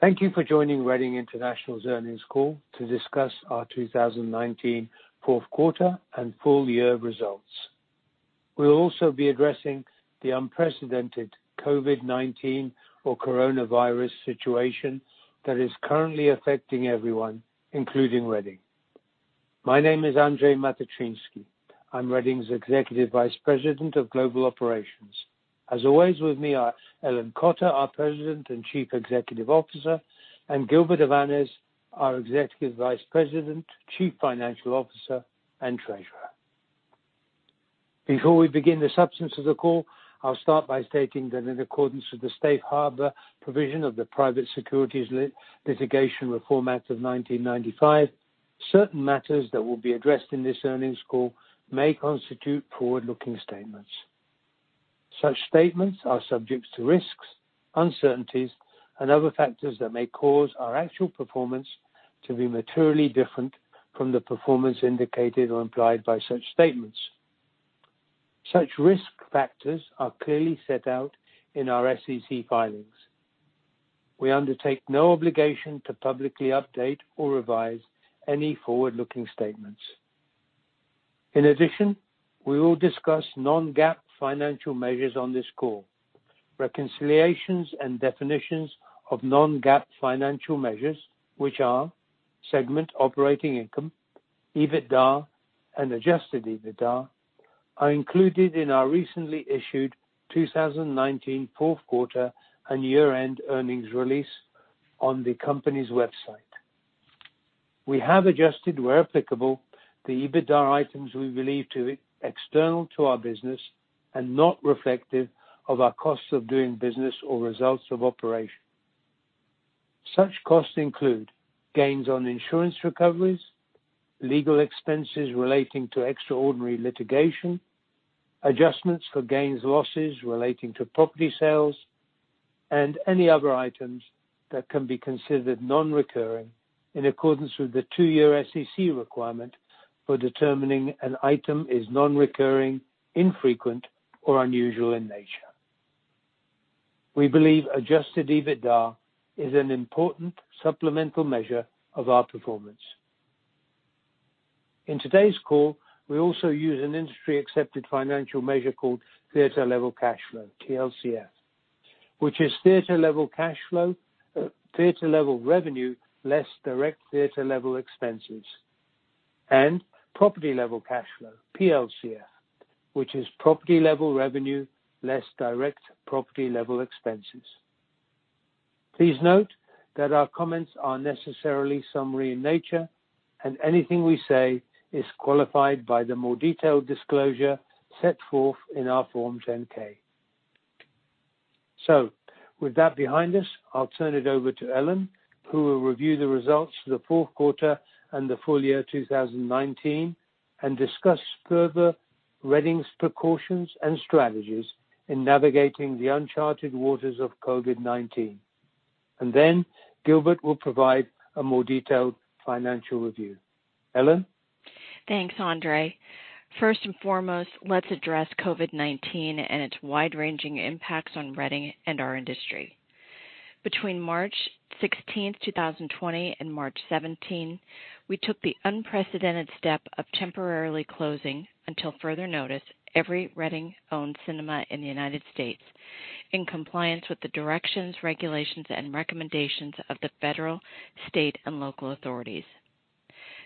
Thank you for joining Reading International's earnings call to discuss our 2019 fourth quarter and full year results. We will also be addressing the unprecedented COVID-19 or coronavirus situation that is currently affecting everyone, including Reading. My name is Andrzej Matyczynski. I am Reading's Executive Vice President of Global Operations. As always, with me are Ellen Cotter, our President and Chief Executive Officer, and Gilbert Avanes, our Executive Vice President, Chief Financial Officer, and Treasurer. Before we begin the substance of the call, I will start by stating that in accordance with the safe harbor provision of the Private Securities Litigation Reform Act of 1995, certain matters that will be addressed in this earnings call may constitute forward-looking statements. Such statements are subject to risks, uncertainties, and other factors that may cause our actual performance to be materially different from the performance indicated or implied by such statements. Such risk factors are clearly set out in our SEC filings. We undertake no obligation to publicly update or revise any forward-looking statements. In addition, we will discuss Non-GAAP financial measures on this call. Reconciliations and definitions of Non-GAAP financial measures, which are segment operating income, EBITDA, and adjusted EBITDA, are included in our recently issued 2019 fourth quarter and year-end earnings release on the company's website. We have adjusted, where applicable, the EBITDA items we believe to be external to our business and not reflective of our costs of doing business or results of operation. Such costs include gains on insurance recoveries, legal expenses relating to extraordinary litigation, adjustments for gains/losses relating to property sales, and any other items that can be considered non-recurring in accordance with the two-year SEC requirement for determining an item is non-recurring, infrequent, or unusual in nature. We believe adjusted EBITDA is an important supplemental measure of our performance. In today's call, we also use an industry-accepted financial measure called theater-level cash flow, TLCF, which is theater level revenue less direct theater level expenses, and property level cash flow, PLCF, which is property level revenue less direct property level expenses. Please note that our comments are necessarily summary in nature, anything we say is qualified by the more detailed disclosure set forth in our Form 10-K. With that behind us, I'll turn it over to Ellen, who will review the results for the fourth quarter and the full year 2019 and discuss further Reading's precautions and strategies in navigating the uncharted waters of COVID-19. Gilbert will provide a more detailed financial review. Ellen? Thanks, Andrzej. First and foremost, let's address COVID-19 and its wide-ranging impacts on Reading and our industry. Between March 16th, 2020, and March 17th, we took the unprecedented step of temporarily closing, until further notice, every Reading Cinemas in the U.S. in compliance with the directions, regulations, and recommendations of the federal, state, and local authorities.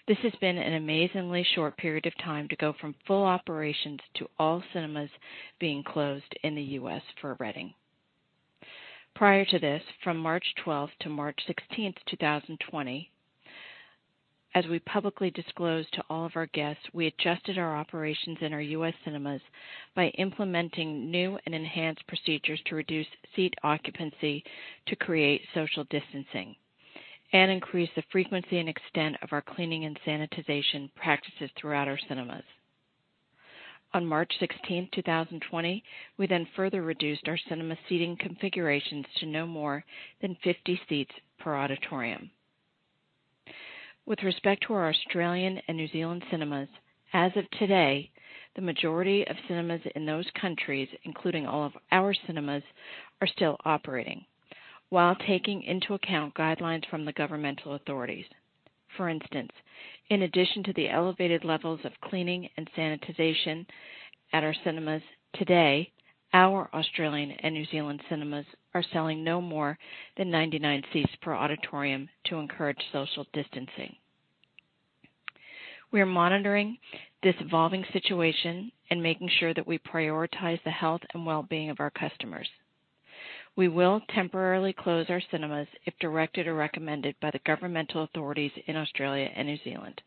This has been an amazingly short period of time to go from full operations to all cinemas being closed in the U.S. for Reading. Prior to this, from March 12th-March 16th, 2020, as we publicly disclosed to all of our guests, we adjusted our operations in our U.S. cinemas by implementing new and enhanced procedures to reduce seat occupancy to create social distancing and increase the frequency and extent of our cleaning and sanitization practices throughout our cinemas. On March 16th, 2020, we then further reduced our cinema seating configurations to no more than 50 seats per auditorium. With respect to our Australian and New Zealand cinemas, as of today, the majority of cinemas in those countries, including all of our cinemas, are still operating while taking into account guidelines from the governmental authorities. For instance, in addition to the elevated levels of cleaning and sanitization at our cinemas, today, our Australian and New Zealand cinemas are selling no more than 99 seats per auditorium to encourage social distancing. We are monitoring this evolving situation and making sure that we prioritize the health and well-being of our customers. We will temporarily close our cinemas if directed or recommended by the governmental authorities in Australia and New Zealand.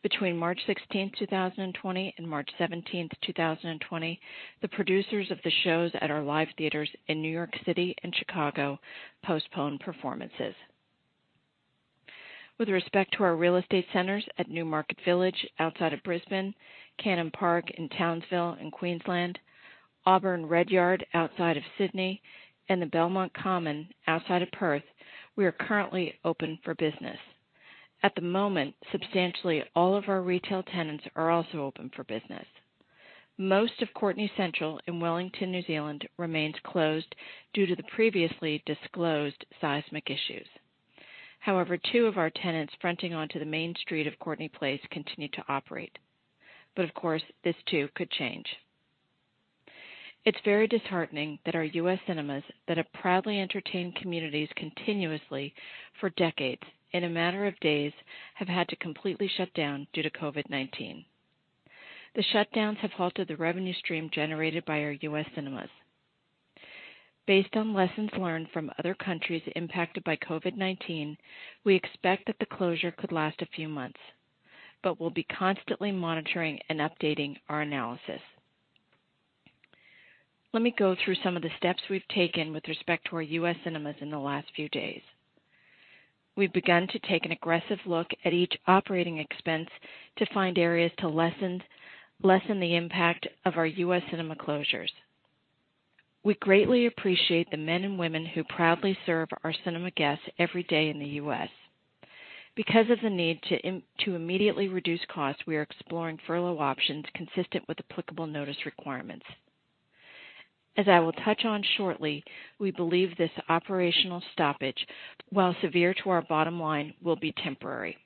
Between March 16th, 2020-March 17th, 2020, the producers of the shows at our live theaters in New York City and Chicago postponed performances. With respect to our real estate centers at Newmarket Village outside of Brisbane, Cannon Park in Townsville in Queensland, Auburn Redyard outside of Sydney, and the Belmont Common outside of Perth, we are currently open for business. At the moment, substantially all of our retail tenants are also open for business. Most of Courtenay Central in Wellington, New Zealand remains closed due to the previously disclosed seismic issues. Two of our tenants fronting onto the main street of Courtenay Place continue to operate. Of course, this too could change. It's very disheartening that our U.S. cinemas that have proudly entertained communities continuously for decades, in a matter of days have had to completely shut down due to COVID-19. The shutdowns have halted the revenue stream generated by our U.S. cinemas. Based on lessons learned from other countries impacted by COVID-19, we expect that the closure could last a few months. We'll be constantly monitoring and updating our analysis. Let me go through some of the steps we've taken with respect to our U.S. cinemas in the last few days. We've begun to take an aggressive look at each operating expense to find areas to lessen the impact of our U.S. cinema closures. We greatly appreciate the men and women who proudly serve our cinema guests every day in the U.S. Because of the need to immediately reduce costs, we are exploring furlough options consistent with applicable notice requirements. As I will touch on shortly, we believe this operational stoppage, while severe to our bottom line, will be temporary.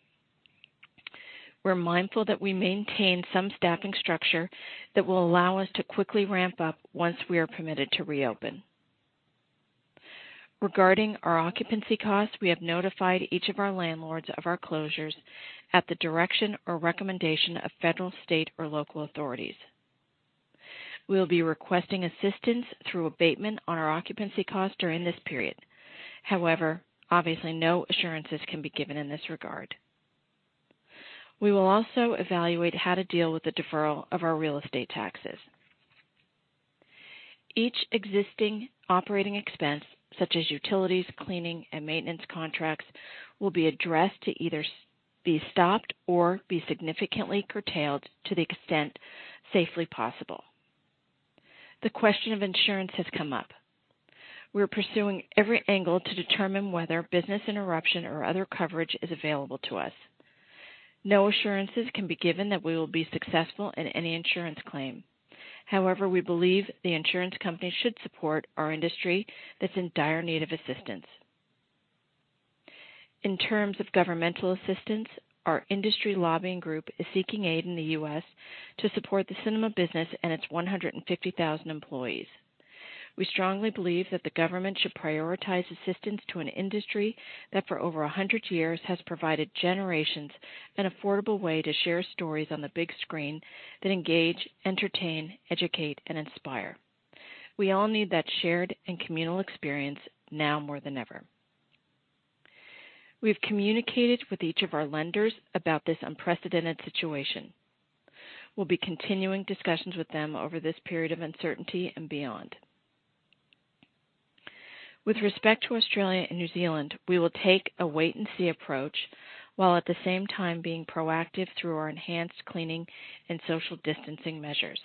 We're mindful that we maintain some staffing structure that will allow us to quickly ramp up once we are permitted to reopen. Regarding our occupancy costs, we have notified each of our landlords of our closures at the direction or recommendation of federal, state, or local authorities. We will be requesting assistance through abatement on our occupancy costs during this period. Obviously no assurances can be given in this regard. We will also evaluate how to deal with the deferral of our real estate taxes. Each existing operating expense, such as utilities, cleaning, and maintenance contracts, will be addressed to either be stopped or be significantly curtailed to the extent safely possible. The question of insurance has come up. We are pursuing every angle to determine whether business interruption or other coverage is available to us. No assurances can be given that we will be successful in any insurance claim. However, we believe the insurance company should support our industry that's in dire need of assistance. In terms of governmental assistance, our industry lobbying group is seeking aid in the U.S. to support the cinema business and its 150,000 employees. We strongly believe that the government should prioritize assistance to an industry that for over 100 years has provided generations an affordable way to share stories on the big screen that engage, entertain, educate, and inspire. We all need that shared and communal experience now more than ever. We've communicated with each of our lenders about this unprecedented situation. We'll be continuing discussions with them over this period of uncertainty and beyond. With respect to Australia and New Zealand, we will take a wait and see approach, while at the same time being proactive through our enhanced cleaning and social distancing measures.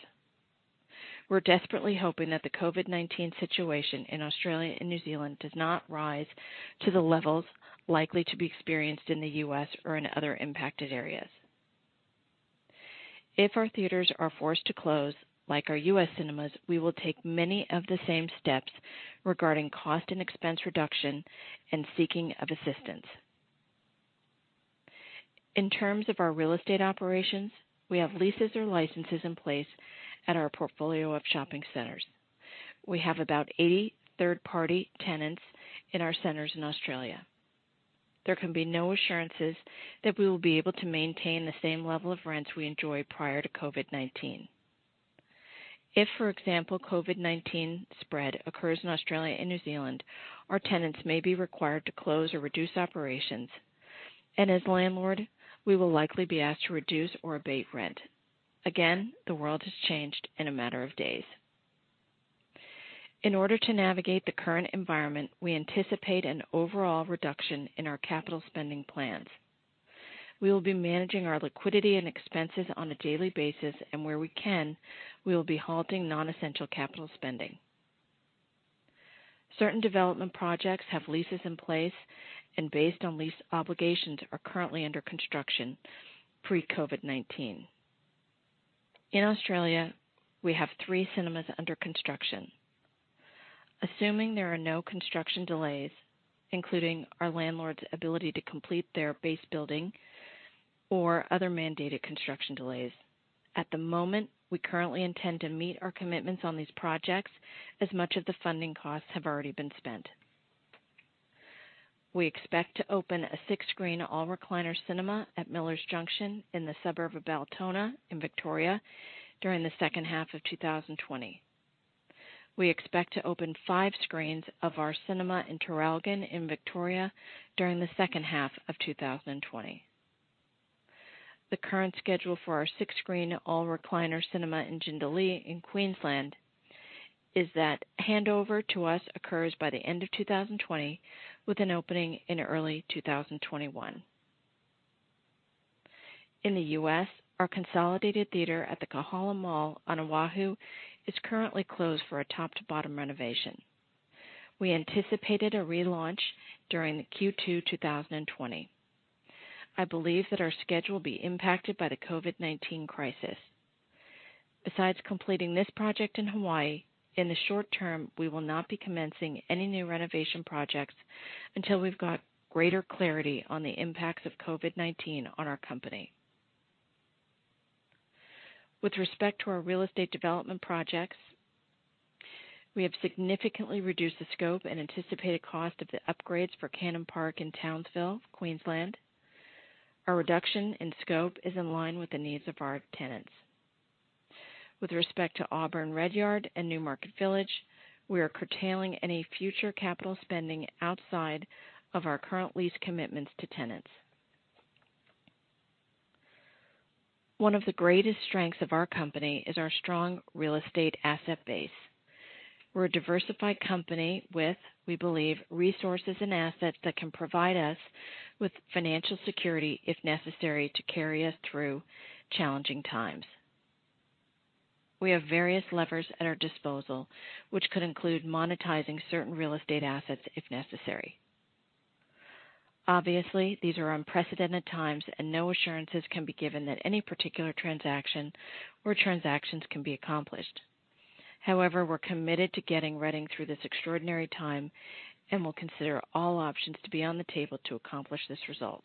We are desperately hoping that the COVID-19 situation in Australia and New Zealand does not rise to the levels likely to be experienced in the U.S. or in other impacted areas. If our theaters are forced to close, like our U.S. cinemas, we will take many of the same steps regarding cost and expense reduction and seeking of assistance. In terms of our real estate operations, we have leases or licenses in place at our portfolio of shopping centers. We have about 80 third-party tenants in our centers in Australia. There can be no assurances that we will be able to maintain the same level of rents we enjoyed prior to COVID-19. If, for example, COVID-19 spread occurs in Australia and New Zealand, our tenants may be required to close or reduce operations, and as landlord, we will likely be asked to reduce or abate rent. Again, the world has changed in a matter of days. In order to navigate the current environment, we anticipate an overall reduction in our capital spending plans. We will be managing our liquidity and expenses on a daily basis, and where we can, we will be halting non-essential capital spending. Certain development projects have leases in place and based on lease obligations, are currently under construction pre-COVID-19. In Australia, we have three cinemas under construction. Assuming there are no construction delays, including our landlord's ability to complete their base building or other mandated construction delays, at the moment, we currently intend to meet our commitments on these projects as much of the funding costs have already been spent. We expect to open a six-screen all-recliner cinema at Millers Junction in the suburb of Altona in Victoria during the second half of 2020. We expect to open five screens of our cinema in Traralgon in Victoria during the second half of 2020. The current schedule for our six-screen all-recliner cinema in Jindalee in Queensland is that handover to us occurs by the end of 2020 with an opening in early 2021. In the U.S., our consolidated theater at the Kahala Mall on Oahu is currently closed for a top-to-bottom renovation. We anticipated a relaunch during Q2 2020. I believe that our schedule will be impacted by the COVID-19 crisis. Besides completing this project in Hawaii, in the short term, we will not be commencing any new renovation projects until we've got greater clarity on the impacts of COVID-19 on our company. With respect to our real estate development projects, we have significantly reduced the scope and anticipated cost of the upgrades for Cannon Park in Townsville, Queensland. Our reduction in scope is in line with the needs of our tenants. With respect to Auburn Redyard and Newmarket Village, we are curtailing any future capital spending outside of our current lease commitments to tenants. One of the greatest strengths of our company is our strong real estate asset base. We're a diversified company with, we believe, resources and assets that can provide us with financial security if necessary to carry us through challenging times. We have various levers at our disposal, which could include monetizing certain real estate assets if necessary. Obviously, these are unprecedented times. No assurances can be given that any particular transaction or transactions can be accomplished. However, we're committed to getting Reading through this extraordinary time and will consider all options to be on the table to accomplish this result.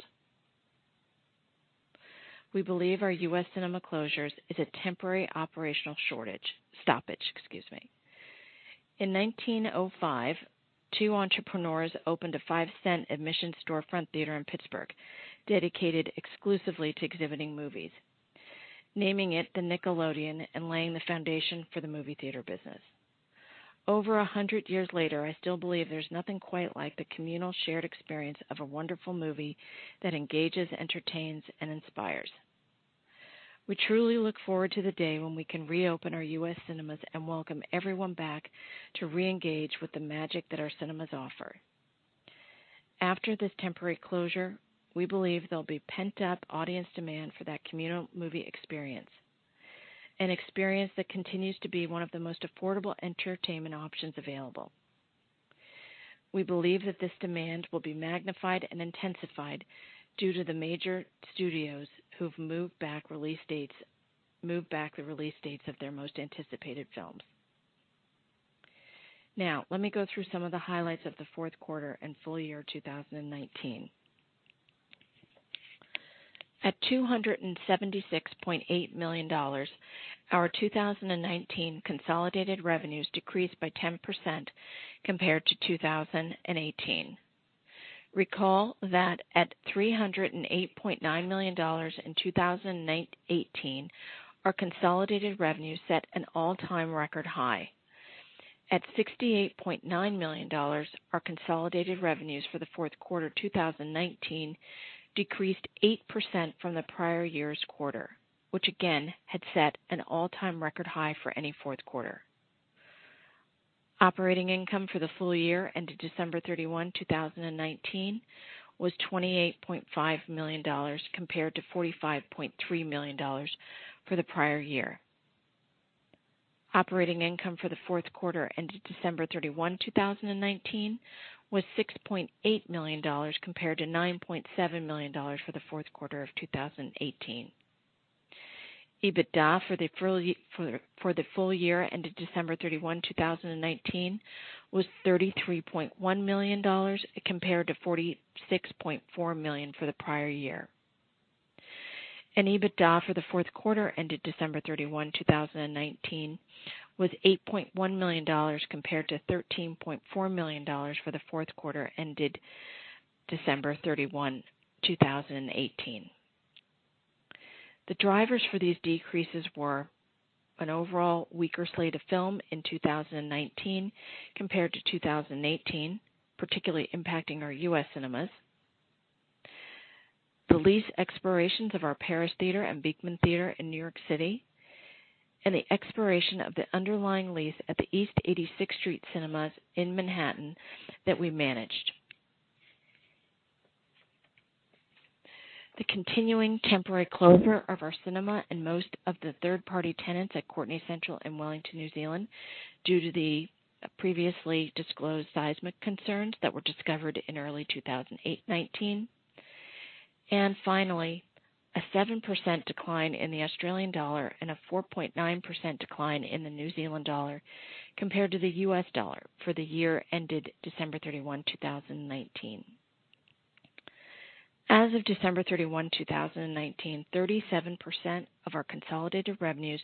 We believe our U.S. cinema closures is a temporary operational stoppage. In 1905, two entrepreneurs opened a five-cent admission storefront theater in Pittsburgh dedicated exclusively to exhibiting movies, naming it the Nickelodeon and laying the foundation for the movie theater business. Over 100 years later, I still believe there's nothing quite like the communal shared experience of a wonderful movie that engages, entertains, and inspires. We truly look forward to the day when we can reopen our U.S. cinemas and welcome everyone back to reengage with the magic that our cinemas offer. After this temporary closure, we believe there'll be pent-up audience demand for that communal movie experience, an experience that continues to be one of the most affordable entertainment options available. We believe that this demand will be magnified and intensified due to the major studios who've moved back the release dates of their most anticipated films. Now, let me go through some of the highlights of the fourth quarter and full year 2019. At $276.8 million, our 2019 consolidated revenues decreased by 10% compared to 2018. Recall that at $308.9 million in 2018, our consolidated revenues set an all-time record high. At $68.9 million, our consolidated revenues for the fourth quarter 2019 decreased 8% from the prior year's quarter, which again had set an all-time record high for any fourth quarter. Operating income for the full year ended December 31st, 2019, was $28.5 million, compared to $45.3 million for the prior year. Operating income for the fourth quarter ended December 31, 2019, was $6.8 million, compared to $9.7 million for the fourth quarter of 2018. EBITDA for the full year ended December 31st, 2019, was $33.1 million, compared to $46.4 million for the prior year. EBITDA for the fourth quarter ended December 31st, 2019, was $8.1 million, compared to $13.4 million for the fourth quarter ended December 31st, 2018. The drivers for these decreases were an overall weaker slate of film in 2019 compared to 2018, particularly impacting our U.S. cinemas, the lease expirations of our Paris Theater and Beekman Theater in New York City, and the expiration of the underlying lease at the East 86th Street Cinemas in Manhattan that we managed. The continuing temporary closure of our cinema and most of the third-party tenants at Courtenay Central in Wellington, New Zealand, due to the previously disclosed seismic concerns that were discovered in early 2019. Finally, a 7% decline in the Australian dollar and a 4.9% decline in the New Zealand Dollar compared to the US dollar for the year ended December 31, 2019. As of December 31, 2019, 37% of our consolidated revenues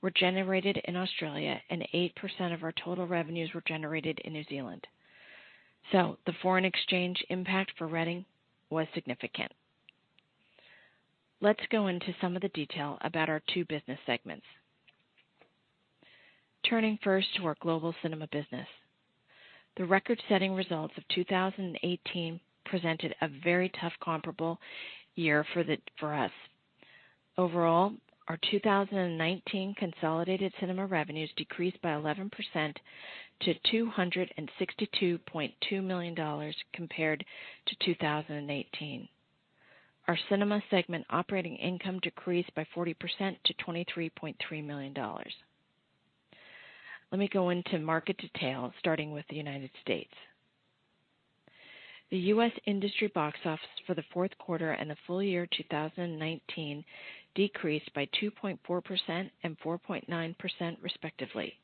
were generated in Australia, and 8% of our total revenues were generated in New Zealand. The foreign exchange impact for Reading was significant. Let's go into some of the detail about our two business segments. Turning first to our global cinema business. The record-setting results of 2018 presented a very tough comparable year for us. Overall, our 2019 consolidated cinema revenues decreased by 11% to $262.2 million compared to 2018. Our cinema segment operating income decreased by 40% to $23.3 million. Let me go into market detail, starting with the United States. The U.S. industry box office for the fourth quarter and the full year 2019 decreased by 2.4% and 4.9% respectively.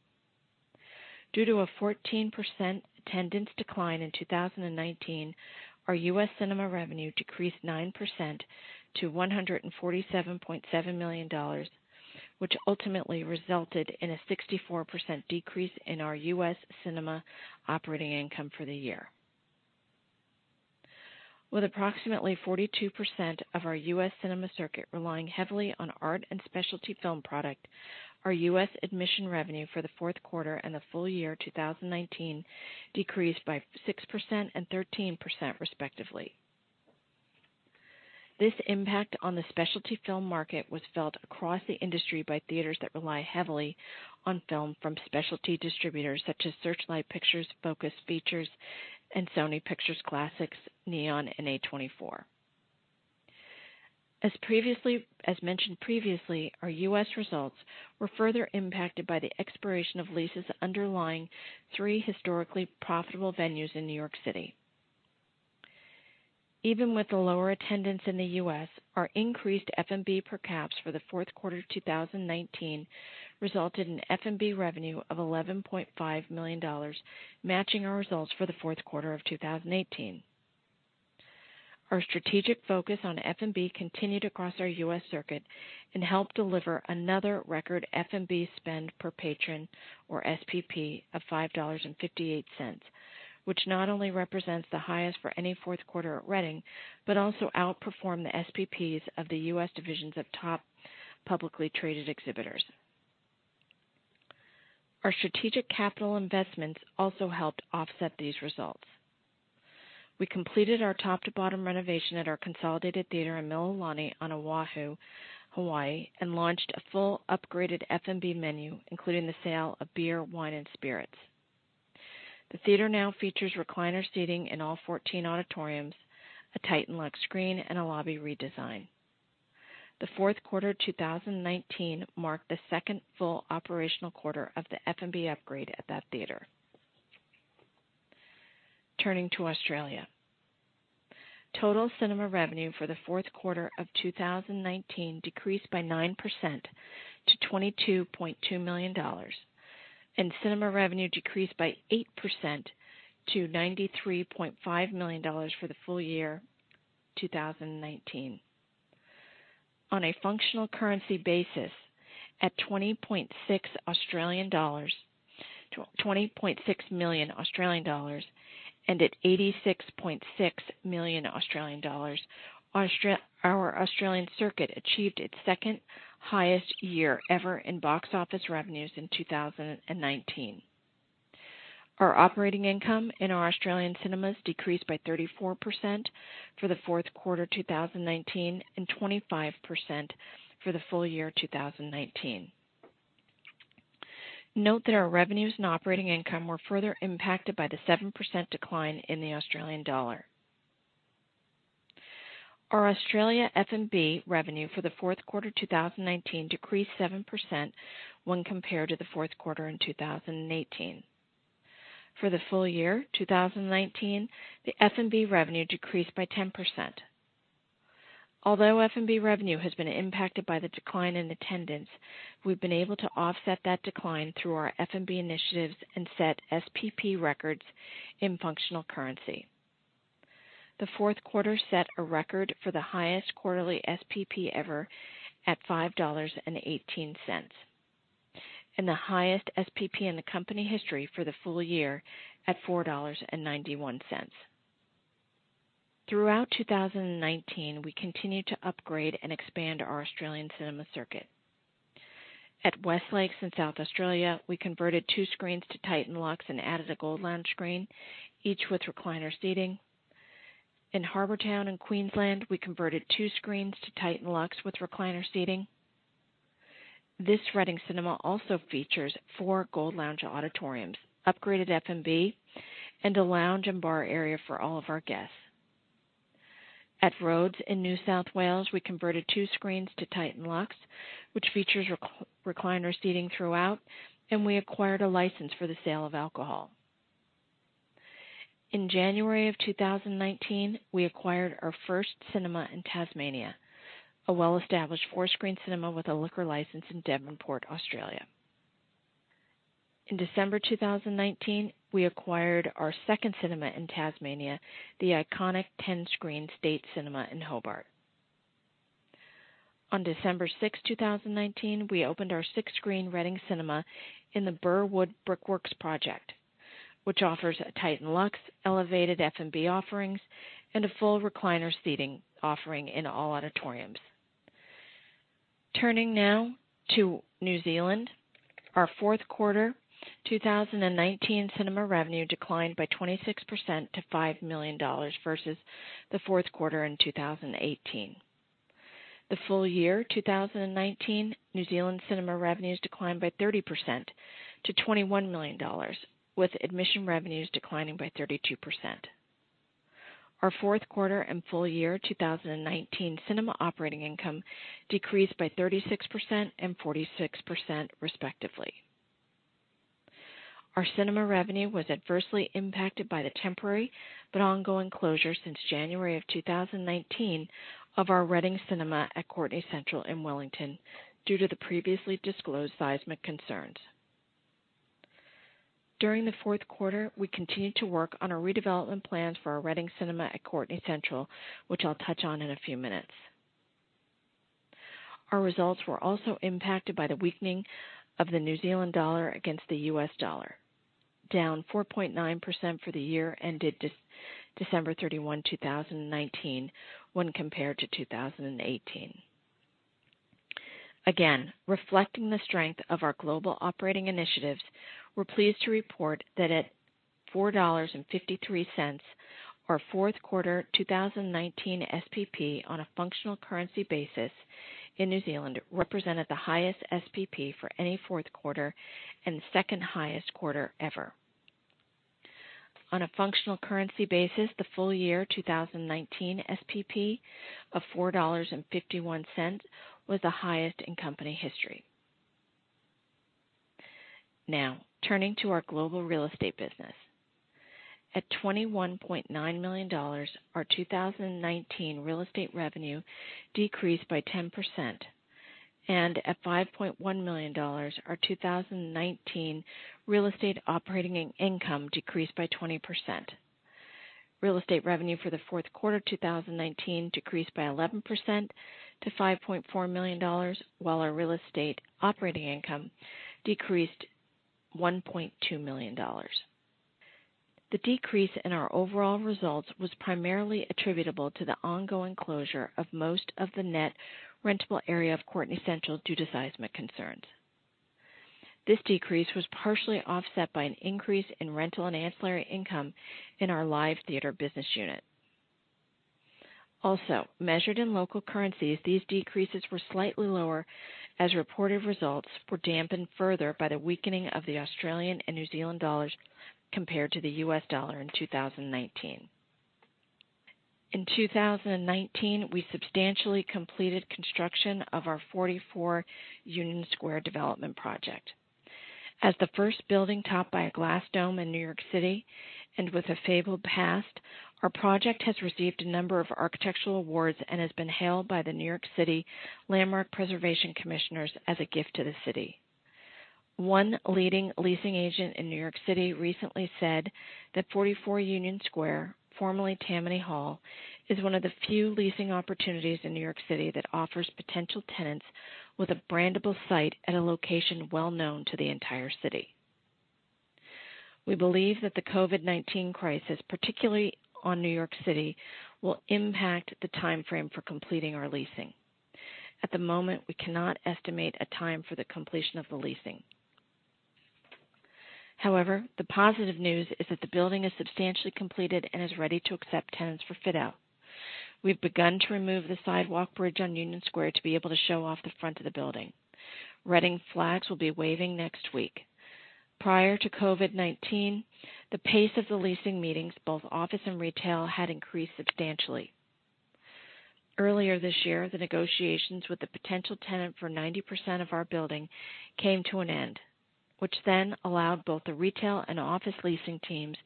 Due to a 14% attendance decline in 2019, our U.S. cinema revenue decreased 9% to $147.7 million, which ultimately resulted in a 64% decrease in our U.S. cinema operating income for the year. With approximately 42% of our U.S. cinema circuit relying heavily on art and specialty film product, our U.S. admission revenue for the fourth quarter and the full year 2019 decreased by 6% and 13% respectively. This impact on the specialty film market was felt across the industry by theaters that rely heavily on film from specialty distributors such as Searchlight Pictures, Focus Features, Sony Pictures Classics, Neon, and A24. As mentioned previously, our U.S. results were further impacted by the expiration of leases underlying three historically profitable venues in New York City. Even with the lower attendance in the U.S., our increased F&B per caps for the fourth quarter 2019 resulted in F&B revenue of $11.5 million, matching our results for the fourth quarter of 2018. Our strategic focus on F&B continued across our U.S. circuit and helped deliver another record F&B spend per patron, or SPP, of $5.58, which not only represents the highest for any fourth quarter at Reading, but also outperformed the SPPs of the U.S. divisions of top publicly traded exhibitors. Our strategic capital investments also helped offset these results. We completed our top-to-bottom renovation at our consolidated theater in Mililani on Oahu, Hawaii, and launched a full upgraded F&B menu, including the sale of beer, wine, and spirits. The theater now features recliner seating in all 14 auditoriums, a Titan Luxe screen, and a lobby redesign. The fourth quarter 2019 marked the second full operational quarter of the F&B upgrade at that theater. Turning to Australia. Total cinema revenue for the fourth quarter of 2019 decreased by 9% to $22.2 million, and cinema revenue decreased by 8% to $93.5 million for the full year 2019. On a functional currency basis, at 20.6 million Australian dollars, and at 86.6 million Australian dollars, our Australian circuit achieved its second highest year ever in box office revenues in 2019. Our operating income in our Australian cinemas decreased by 34% for the fourth quarter 2019 and 25% for the full year 2019. Note that our revenues and operating income were further impacted by the 7% decline in the Australian dollar. Our Australia F&B revenue for the fourth quarter 2019 decreased 7% when compared to the fourth quarter in 2018. For the full year 2019, the F&B revenue decreased by 10%. Although F&B revenue has been impacted by the decline in attendance, we've been able to offset that decline through our F&B initiatives and set SPP records in functional currency. The fourth quarter set a record for the highest quarterly SPP ever at $5.18, and the highest SPP in the company history for the full year at $4.91. Throughout 2019, we continued to upgrade and expand our Australian cinema circuit. At West Lakes in South Australia, we converted two screens to Titan Luxe and added a Gold Lounge screen, each with recliner seating. In Harbour Town in Queensland, we converted two screens to Titan Luxe with recliner seating. This Reading Cinema also features four Gold Lounge auditoriums, upgraded F&B, and a lounge and bar area for all of our guests. At Rhodes in New South Wales, we converted two screens to Titan Luxe, which features recliner seating throughout, and we acquired a license for the sale of alcohol. In January of 2019, we acquired our first cinema in Tasmania, a well-established four-screen cinema with a liquor license in Devonport, Australia. In December 2019, we acquired our second cinema in Tasmania, the iconic 10-screen State Cinema in Hobart. On December 6th, 2019, we opened our six-screen Reading Cinema in the Burwood Brickworks project, which offers a Titan Luxe, elevated F&B offerings, and a full recliner seating offering in all auditoriums. Turning now to New Zealand. Our fourth quarter 2019 cinema revenue declined by 26% to $5 million, versus the fourth quarter in 2018. The full year 2019 New Zealand cinema revenues declined by 30% to 21 million dollars, with admission revenues declining by 32%. Our fourth quarter and full year 2019 cinema operating income decreased by 36% and 46%, respectively. Our cinema revenue was adversely impacted by the temporary but ongoing closure since January of 2019 of our Reading Cinema at Courtenay Central in Wellington, due to the previously disclosed seismic concerns. During the fourth quarter, we continued to work on our redevelopment plans for our Reading Cinema at Courtenay Central, which I'll touch on in a few minutes. Our results were also impacted by the weakening of the New Zealand dollar against the US dollar, down 4.9% for the year ended December 31, 2019, when compared to 2018. Again, reflecting the strength of our global operating initiatives, we are pleased to report that at 4.53 dollars, our fourth quarter 2019 SPP on a functional currency basis in New Zealand represented the highest SPP for any fourth quarter and second highest quarter ever. On a functional currency basis, the full year 2019 SPP of 4.51 dollars was the highest in company history. Now, turning to our global real estate business. At $21.9 million, our 2019 real estate revenue decreased by 10%, and at $5.1 million, our 2019 real estate operating income decreased by 20%. Real estate revenue for the fourth quarter 2019 decreased by 11% to $5.4 million, while our real estate operating income decreased $1.2 million. The decrease in our overall results was primarily attributable to the ongoing closure of most of the net rentable area of Courtenay Central due to seismic concerns. This decrease was partially offset by an increase in rental and ancillary income in our live theater business unit. Also, measured in local currencies, these decreases were slightly lower as reported results were dampened further by the weakening of the Australian and New Zealand dollars compared to the US dollar in 2019. In 2019, we substantially completed construction of our 44 Union Square development project. As the first building topped by a glass dome in New York City, and with a fabled past, our project has received a number of architectural awards and has been hailed by the New York City Landmarks Preservation Commission as a gift to the city. One leading leasing agent in New York City recently said that 44 Union Square, formerly Tammany Hall, is one of the few leasing opportunities in New York City that offers potential tenants with a brandable site at a location well-known to the entire city. We believe that the COVID-19 crisis, particularly on New York City, will impact the timeframe for completing our leasing. At the moment, we cannot estimate a time for the completion of the leasing. The positive news is that the building is substantially completed and is ready to accept tenants for fit-out. We've begun to remove the sidewalk bridge on Union Square to be able to show off the front of the building. Reading flags will be waving next week. Prior to COVID-19, the pace of the leasing meetings, both office and retail, had increased substantially. Earlier this year, the negotiations with the potential tenant for 90% of our building came to an end, which then allowed both the retail and office leasing teams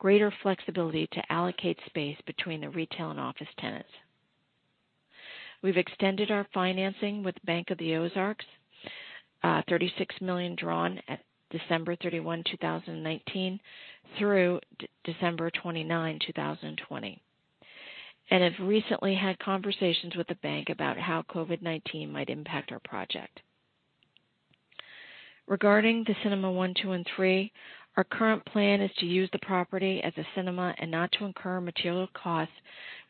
greater flexibility to allocate space between the retail and office tenants. We've extended our financing with Bank OZK, $36 million drawn at December 31, 2019 through December 29, 2020, and have recently had conversations with the bank about how COVID-19 might impact our project. Regarding the Cinema 1, Cinema 2, and Cinema 3, our current plan is to use the property as a cinema and not to incur material costs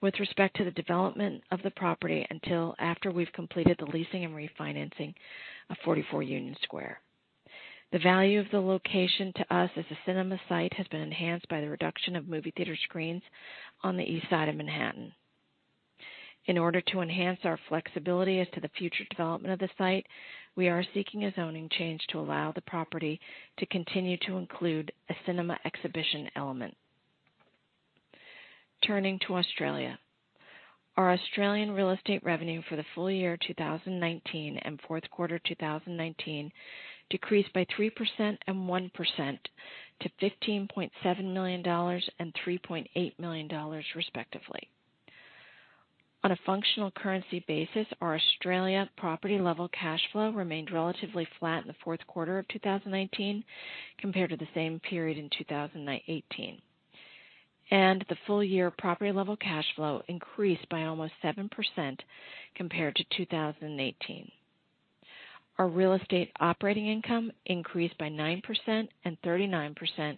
with respect to the development of the property until after we've completed the leasing and refinancing of 44 Union Square. The value of the location to us as a cinema site has been enhanced by the reduction of movie theater screens on the East Side of Manhattan. In order to enhance our flexibility as to the future development of the site, we are seeking a zoning change to allow the property to continue to include a cinema exhibition element. Turning to Australia. Our Australian real estate revenue for the full year 2019 and fourth quarter 2019 decreased by 3% and 1% to $15.7 million and $3.8 million, respectively. On a functional currency basis, our Australia property-level cash flow remained relatively flat in the fourth quarter of 2019 compared to the same period in 2018, and the full-year property-level cash flow increased by almost 7% compared to 2018. Our real estate operating income increased by 9% and 39%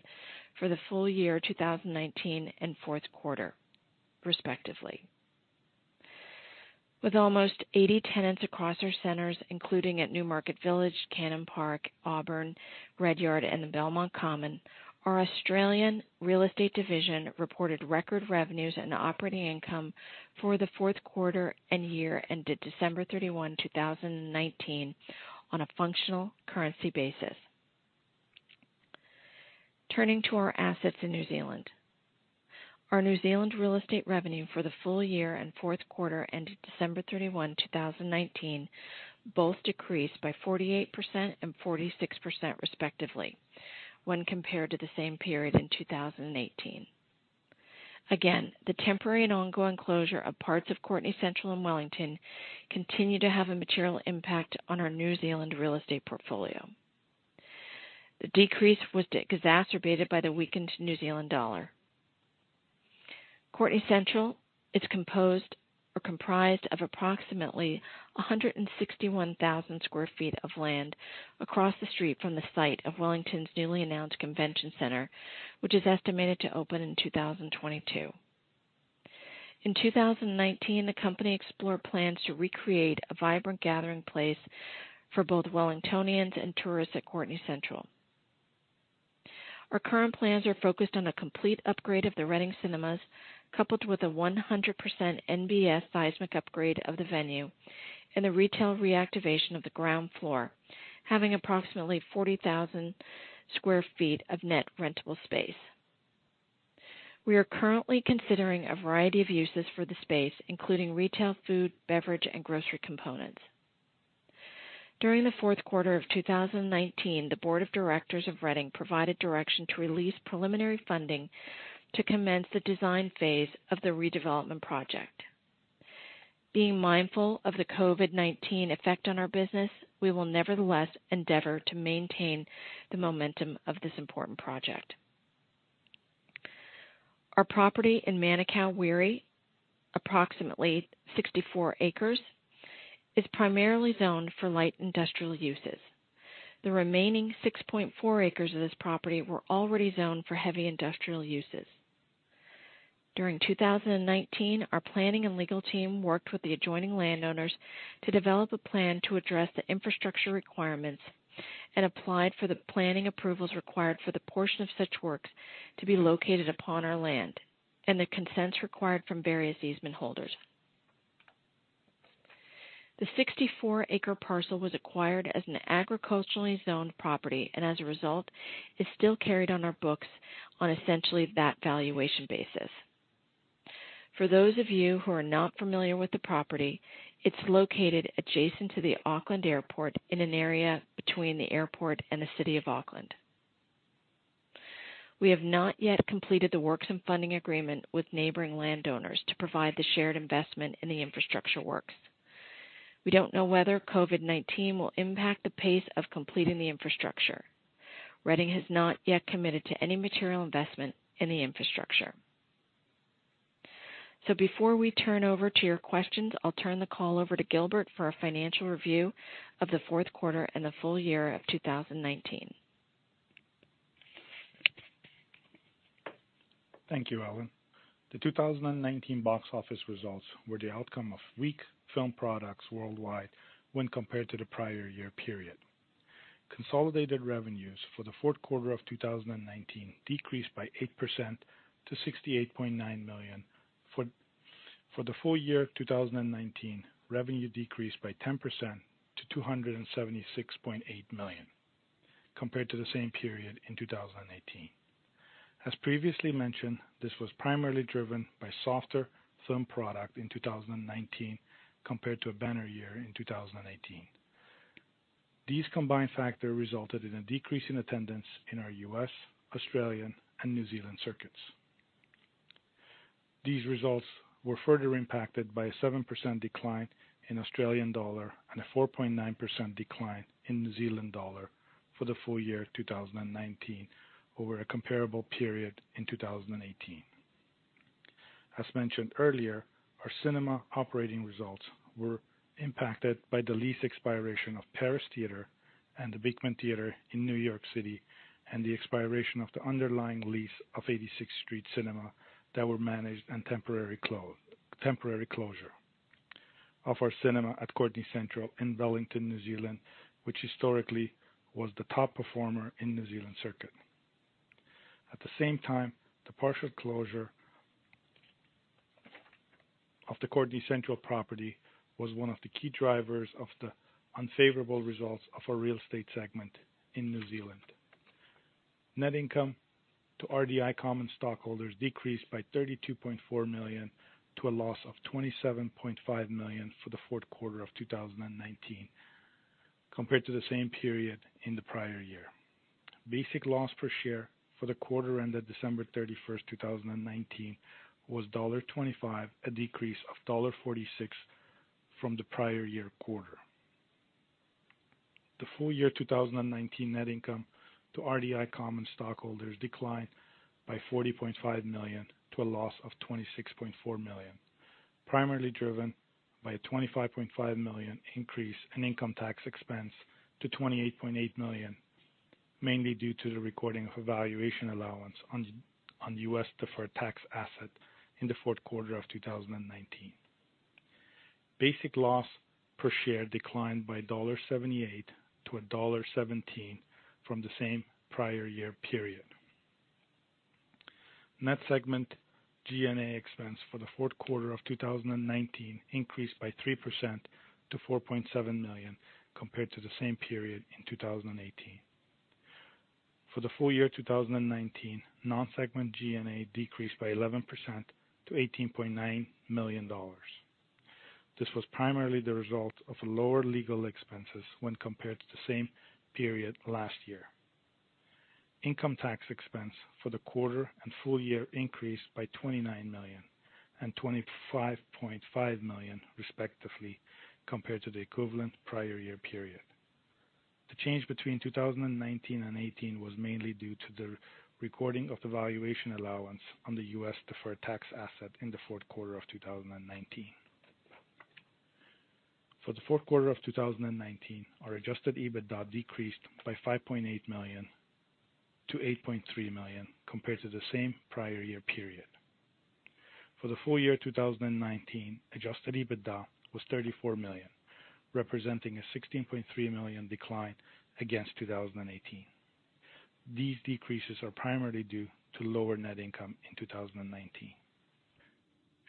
for the full year 2019 and fourth quarter, respectively. With almost 80 tenants across our centers, including at Newmarket Village, Cannon Park, Auburn Redyard, and the Belmont Common, our Australian real estate division reported record revenues and operating income for the fourth quarter and year ended December 31, 2019 on a functional currency basis. Turning to our assets in New Zealand. Our New Zealand real estate revenue for the full year and fourth quarter ended December 31, 2019, both decreased by 48% and 46%, respectively, when compared to the same period in 2018. Again, the temporary and ongoing closure of parts of Courtenay Central in Wellington continue to have a material impact on our New Zealand real estate portfolio. The decrease was exacerbated by the weakened New Zealand dollar. Courtenay Central is composed or comprised of approximately 161,000 sq ft of land across the street from the site of Wellington's newly announced convention center, which is estimated to open in 2022. In 2019, the company explored plans to recreate a vibrant gathering place for both Wellingtonians and tourists at Courtenay Central. Our current plans are focused on a complete upgrade of the Reading Cinemas, coupled with a 100% NBS seismic upgrade of the venue and the retail reactivation of the ground floor, having approximately 40,000 sq ft of net rentable space. We are currently considering a variety of uses for the space, including retail, food, beverage, and grocery components. During the fourth quarter of 2019, the board of directors of Reading provided direction to release preliminary funding to commence the design phase of the redevelopment project. Being mindful of the COVID-19 effect on our business, we will nevertheless endeavor to maintain the momentum of this important project. Our property in Manukau, Wiri, approximately 6.4 acres, is primarily zoned for light industrial uses. The remaining 6.4 acres of this property were already zoned for heavy industrial uses. During 2019, our planning and legal team worked with the adjoining landowners to develop a plan to address the infrastructure requirements and applied for the planning approvals required for the portion of such works to be located upon our land, and the consents required from various easement holders. The 64-acre parcel was acquired as an agriculturally zoned property, and as a result, is still carried on our books on essentially that valuation basis. For those of you who are not familiar with the property, it's located adjacent to the Auckland Airport in an area between the airport and the city of Auckland. We have not yet completed the works and funding agreement with neighboring landowners to provide the shared investment in the infrastructure works. We don't know whether COVID-19 will impact the pace of completing the infrastructure. Reading has not yet committed to any material investment in the infrastructure. Before we turn over to your questions, I'll turn the call over to Gilbert for a financial review of the fourth quarter and the full year of 2019. Thank you, Ellen. The 2019 box office results were the outcome of weak film products worldwide when compared to the prior year period. Consolidated revenues for the fourth quarter of 2019 decreased by 8% to $68.9 million. For the full year 2019, revenue decreased by 10% to $276.8 million, compared to the same period in 2018. As previously mentioned, this was primarily driven by softer film product in 2019 compared to a banner year in 2018. These combined factor resulted in a decrease in attendance in our U.S., Australian, and New Zealand circuits. These results were further impacted by a 7% decline in AUD and a 4.9% decline in NZD for the full year 2019 over a comparable period in 2018. As mentioned earlier, our cinema operating results were impacted by the lease expiration of Paris Theater and the Beekman Theater in New York City, and the expiration of the underlying lease of 86th Street Cinema that were managed and temporary closure of our cinema at Courtenay Central in Wellington, New Zealand, which historically was the top performer in New Zealand circuit. At the same time, the partial closure of the Courtenay Central property was one of the key drivers of the unfavorable results of our real estate segment in New Zealand. Net income to RDI common stockholders decreased by $32.4 million to a loss of $27.5 million for the fourth quarter of 2019 compared to the same period in the prior year. Basic loss per share for the quarter ended December 31st, 2019, was $1.25, a decrease of $1.46 from the prior year quarter. The full year 2019 net income to RDI common stockholders declined by $40.5 million to a loss of $26.4 million, primarily driven by a $25.5 million increase in income tax expense to $28.8 million, mainly due to the recording of a valuation allowance on U.S. deferred tax asset in the fourth quarter of 2019. Basic loss per share declined by $1.78 to a $1.17 from the same prior year period. Net segment G&A expense for the fourth quarter of 2019 increased by 3% to $4.7 million compared to the same period in 2018. For the full year 2019, non-segment G&A decreased by 11% to $18.9 million. This was primarily the result of lower legal expenses when compared to the same period last year. Income tax expense for the quarter and full year increased by $29 million and $25.5 million, respectively, compared to the equivalent prior year period. The change between 2019 and 2018 was mainly due to the recording of the valuation allowance on the U.S. deferred tax asset in the fourth quarter of 2019. For the fourth quarter of 2019, our adjusted EBITDA decreased by $5.8 million-$8.3 million compared to the same prior year period. For the full year 2019, adjusted EBITDA was $34 million, representing a $16.3 million decline against 2018. These decreases are primarily due to lower net income in 2019.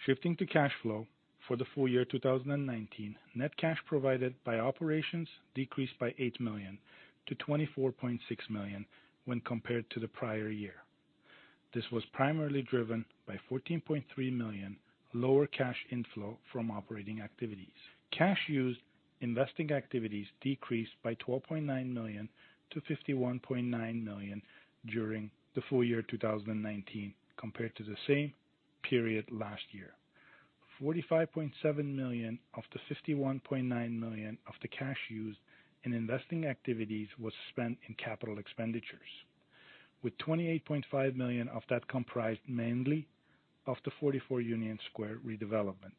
Shifting to cash flow. For the full year 2019, net cash provided by operations decreased by $8 million-$24.6 million when compared to the prior year. This was primarily driven by $14.3 million lower cash inflow from operating activities. Cash used, investing activities decreased by $12.9 million-$51.9 million during the full year 2019 compared to the same period last year. $45.7 million of the $51.9 million of the cash used in investing activities was spent in capital expenditures, with $28.5 million of that comprised mainly of the 44 Union Square redevelopment.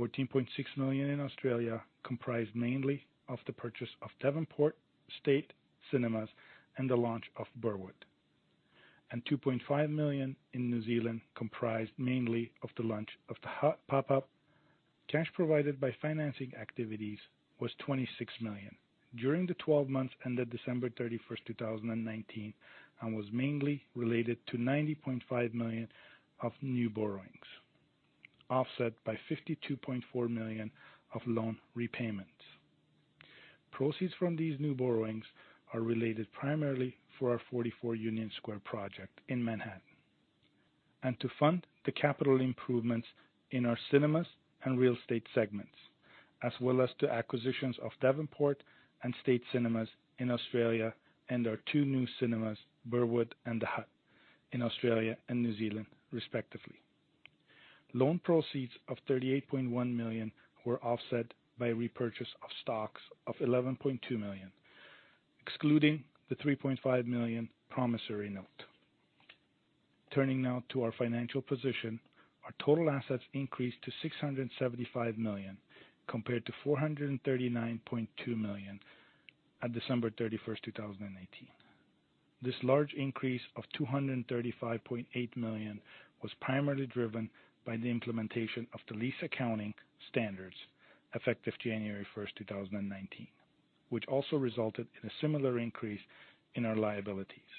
14.6 million in Australia comprised mainly of the purchase of Devonport, State Cinemas, and the launch of Burwood. 2.5 million in New Zealand comprised mainly of the launch of The Hut pop-up. Cash provided by financing activities was $26 million during the 12 months ended December 31st, 2019, and was mainly related to $90.5 million of new borrowings, offset by $52.4 million of loan repayments. Proceeds from these new borrowings are related primarily for our 44 Union Square project in Manhattan and to fund the capital improvements in our cinemas and real estate segments, as well as to acquisitions of Devonport and State Cinema in Australia and our two new cinemas, Burwood and The Hut in Australia and New Zealand, respectively. Loan proceeds of $38.1 million were offset by repurchase of stocks of $11.2 million, excluding the $3.5 million promissory note. Turning now to our financial position. Our total assets increased to $675 million compared to $439.2 million on December 31, 2018. This large increase of $235.8 million was primarily driven by the implementation of the lease accounting standards effective January 1st, 2019, which also resulted in a similar increase in our liabilities.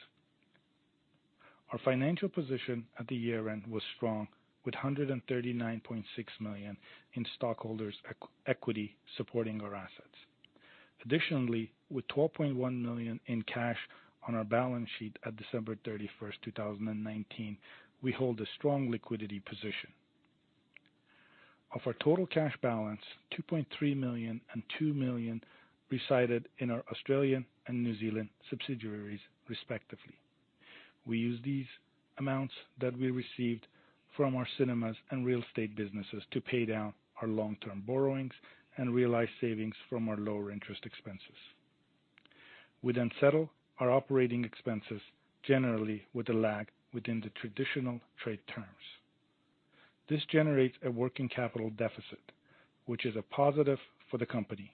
Our financial position at the year-end was strong with $139.6 million in stockholders' equity supporting our assets. With $12.1 million in cash on our balance sheet at December 31st, 2019, we hold a strong liquidity position. Of our total cash balance, 2.3 million and 2 million resided in our Australian and New Zealand subsidiaries, respectively. We use these amounts that we received from our cinemas and real estate businesses to pay down our long-term borrowings and realize savings from our lower interest expenses. We settle our operating expenses generally with a lag within the traditional trade terms. This generates a working capital deficit, which is a positive for the company.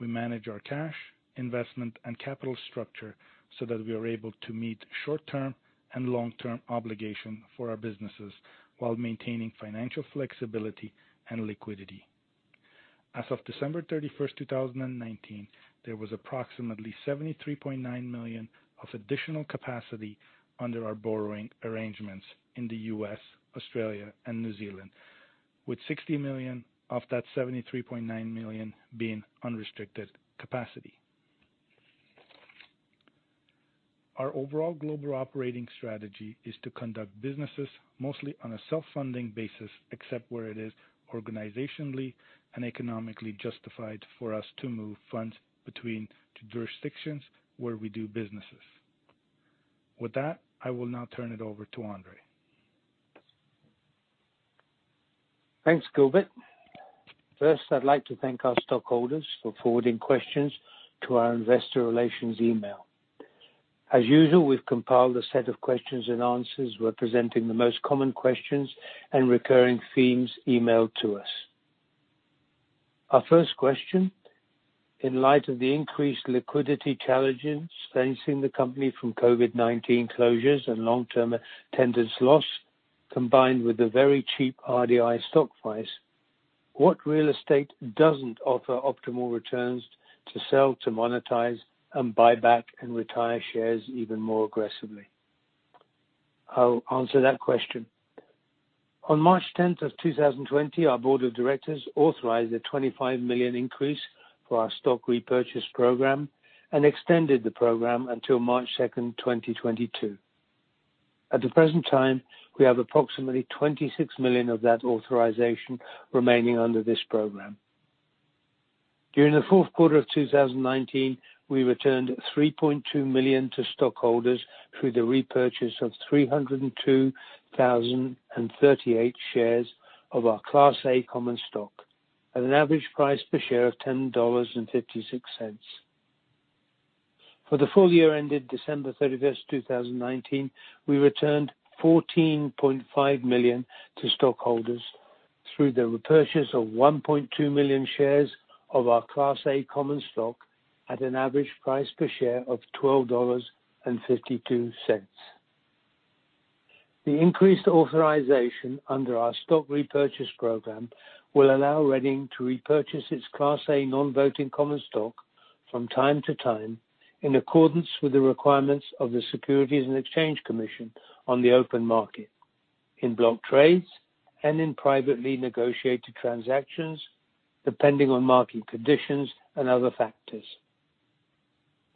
We manage our cash, investment, and capital structure so that we are able to meet short-term and long-term obligation for our businesses while maintaining financial flexibility and liquidity. As of December 31st, 2019, there was approximately $73.9 million of additional capacity under our borrowing arrangements in the U.S., Australia, and New Zealand, with $60 million of that $73.9 million being unrestricted capacity. Our overall global operating strategy is to conduct businesses mostly on a self-funding basis, except where it is organizationally and economically justified for us to move funds between the jurisdictions where we do businesses. With that, I will now turn it over to Andrzej. Thanks, Gilbert. First, I'd like to thank our stockholders for forwarding questions to our investor relations email. As usual, we've compiled a set of questions and answers representing the most common questions and recurring themes emailed to us. Our first question. In light of the increased liquidity challenges facing the company from COVID-19 closures and long-term attendance loss, combined with the very cheap RDI stock price, what real estate doesn't offer optimal returns to sell, to monetize, and buy back and retire shares even more aggressively? I'll answer that question. On March 10th of 2020, our board of directors authorized a $25 million increase for our stock repurchase program and extended the program until March 2nd, 2022. At the present time, we have approximately $26 million of that authorization remaining under this program. During the fourth quarter of 2019, we returned $3.2 million to stockholders through the repurchase of 302,038 shares of our Class A common stock at an average price per share of $10.56. For the full year ended December 31st, 2019, we returned $14.5 million to stockholders through the repurchase of 1.2 million shares of our Class A common stock at an average price per share of $12.52. The increased authorization under our stock repurchase program will allow Reading to repurchase its Class A non-voting common stock from time to time, in accordance with the requirements of the Securities and Exchange Commission on the open market, in block trades and in privately negotiated transactions, depending on market conditions and other factors.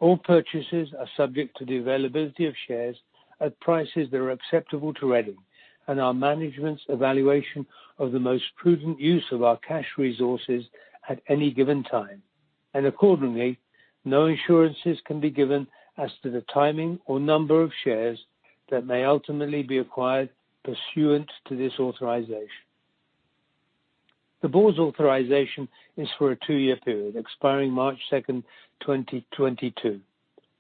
All purchases are subject to the availability of shares at prices that are acceptable to Reading and our management's evaluation of the most prudent use of our cash resources at any given time. Accordingly, no assurances can be given as to the timing or number of shares that may ultimately be acquired pursuant to this authorization. The board's authorization is for a two-year period expiring March 2nd, 2022,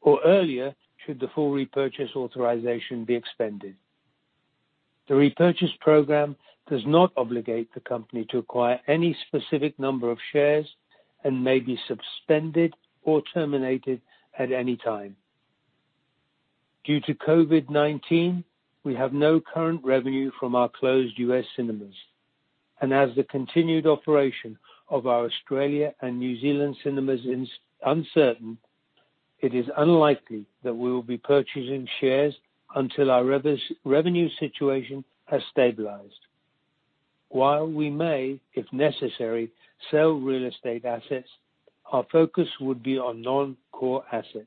or earlier, should the full repurchase authorization be expended. The repurchase program does not obligate the company to acquire any specific number of shares and may be suspended or terminated at any time. Due to COVID-19, we have no current revenue from our closed U.S. cinemas. As the continued operation of our Australia and New Zealand cinemas is uncertain, it is unlikely that we will be purchasing shares until our revenue situation has stabilized. While we may, if necessary, sell real estate assets, our focus would be on non-core assets.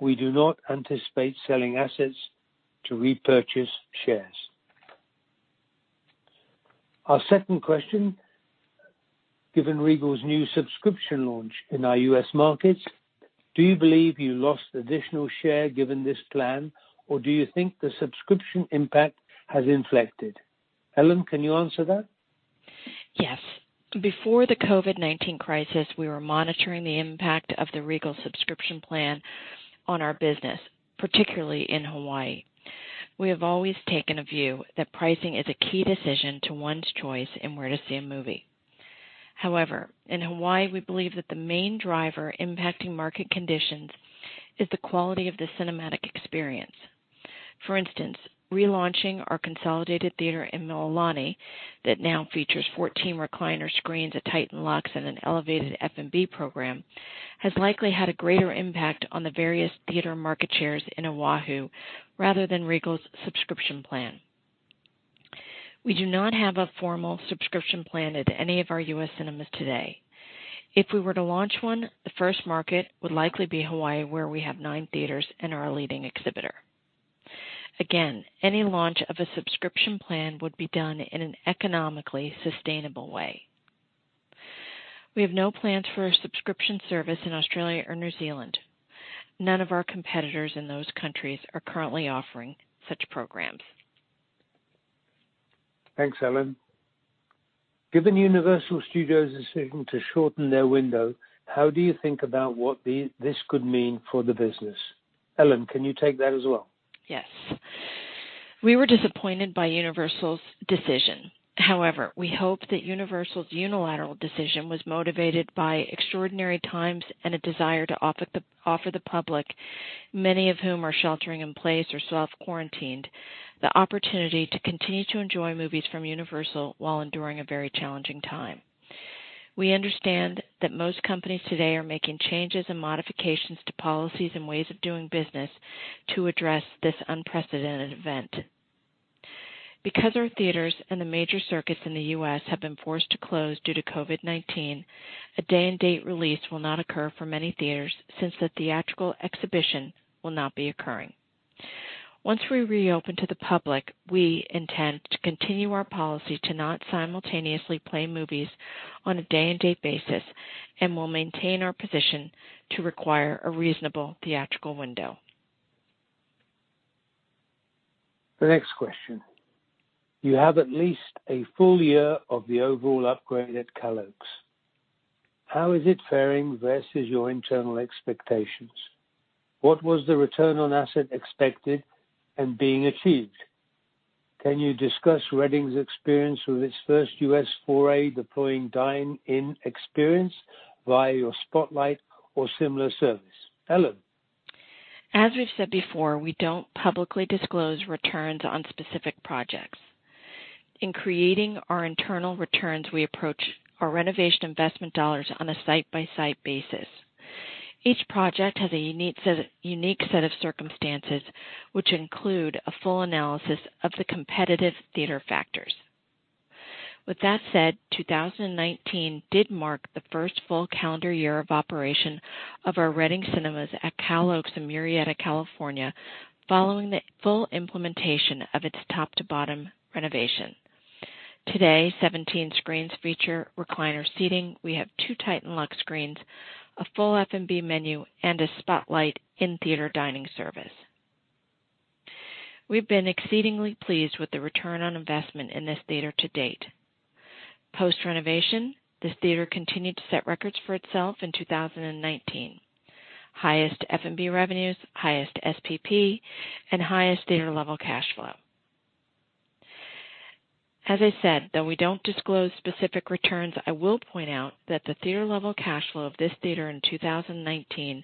We do not anticipate selling assets to repurchase shares. Our second question, given Regal's new subscription launch in our U.S. markets, do you believe you lost additional share given this plan, or do you think the subscription impact has inflected? Ellen, can you answer that? Before the COVID-19 crisis, we were monitoring the impact of the Regal subscription plan on our business, particularly in Hawaii. We have always taken a view that pricing is a key decision to one's choice in where to see a movie. However, in Hawaii, we believe that the main driver impacting market conditions is the quality of the cinematic experience. For instance, relaunching our consolidated theater in Mililani that now features 14 recliner screens at Titan Luxe and an elevated F&B program has likely had a greater impact on the various theater market shares in Oahu rather than Regal's subscription plan. We do not have a formal subscription plan at any of our U.S. cinemas today. If we were to launch one, the first market would likely be Hawaii, where we have nine theaters and are a leading exhibitor. Any launch of a subscription plan would be done in an economically sustainable way. We have no plans for a subscription service in Australia or New Zealand. None of our competitors in those countries are currently offering such programs. Thanks, Ellen. Given Universal Pictures' decision to shorten their window, how do you think about what this could mean for the business? Ellen, can you take that as well? Yes. We were disappointed by Universal's decision. However, we hope that Universal's unilateral decision was motivated by extraordinary times and a desire to offer the public, many of whom are sheltering in place or self-quarantined, the opportunity to continue to enjoy movies from Universal while enduring a very challenging time. We understand that most companies today are making changes and modifications to policies and ways of doing business to address this unprecedented event. Because our theaters and the major circuits in the U.S. have been forced to close due to COVID-19, a day-and-date release will not occur for many theaters since the theatrical exhibition will not be occurring. Once we reopen to the public, we intend to continue our policy to not simultaneously play movies on a day-and-date basis and will maintain our position to require a reasonable theatrical window. The next question. You have at least a full year of the overall upgrade at Cal Oaks. How is it faring versus your internal expectations? What was the return on asset expected and being achieved? Can you discuss Reading's experience with its first U.S. foray deploying dine-in experience via your Spotlight or similar service? Ellen As we've said before, we don't publicly disclose returns on specific projects. In creating our internal returns, we approach our renovation investment dollars on a site-by-site basis. Each project has a unique set of circumstances, which include a full analysis of the competitive theater factors. 2019 did mark the first full calendar year of operation of our Reading Cinemas at Cal Oaks in Murrieta, California, following the full implementation of its top-to-bottom renovation. Today, 17 screens feature recliner seating. We have two Titan Luxe screens, a full F&B menu, and a Spotlight in-theater dining service. We've been exceedingly pleased with the return on investment in this theater to date. Post-renovation, this theater continued to set records for itself in 2019: highest F&B revenues, highest SPP, and highest theater level cash flow. As I said, though we don't disclose specific returns, I will point out that the theater level cash flow of this theater in 2019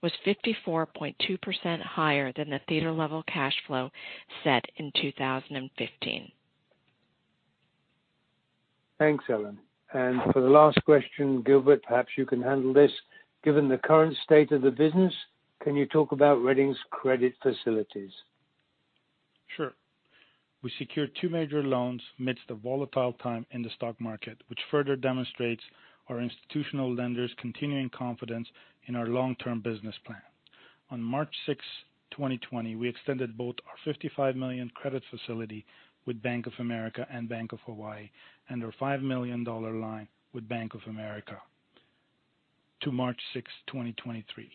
was 54.2% higher than the theater level cash flow set in 2015. Thanks, Ellen. For the last question, Gilbert, perhaps you can handle this. Given the current state of the business, can you talk about Reading's credit facilities? Sure. We secured two major loans amidst a volatile time in the stock market, which further demonstrates our institutional lenders' continuing confidence in our long-term business plan. On March 6, 2020, we extended both our $55 million credit facility with Bank of America and Bank of Hawaii, and our $5 million line with Bank of America to March 6, 2023.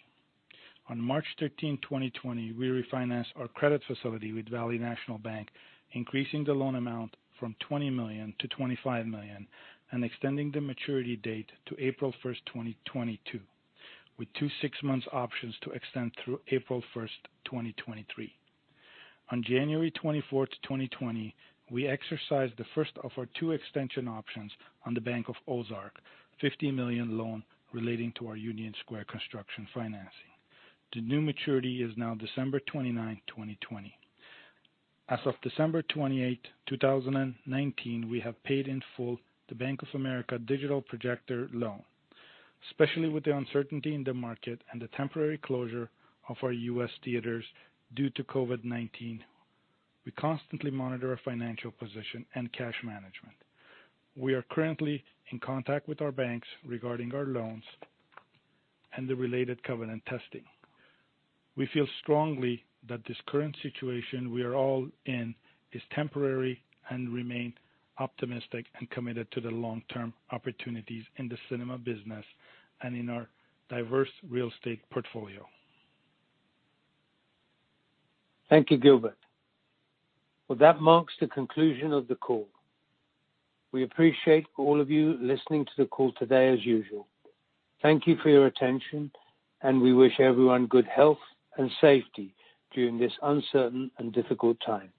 On March 13, 2020, we refinanced our credit facility with Valley National Bank, increasing the loan amount from $20 million-$25 million and extending the maturity date to April 1st, 2022, with two six-month options to extend through April 1st, 2023. On January 24th, 2020, we exercised the first of our two extension options on the Bank OZK, $50 million loan relating to our Union Square construction financing. The new maturity is now December 29th, 2020. As of December 28th, 2019, we have paid in full the Bank of America digital projector loan. Especially with the uncertainty in the market and the temporary closure of our U.S. theaters due to COVID-19, we constantly monitor our financial position and cash management. We are currently in contact with our banks regarding our loans and the related covenant testing. We feel strongly that this current situation we are all in is temporary and remain optimistic and committed to the long-term opportunities in the cinema business and in our diverse real estate portfolio. Thank you, Gilbert. That marks the conclusion of the call. We appreciate all of you listening to the call today, as usual. Thank you for your attention. We wish everyone good health and safety during this uncertain and difficult time.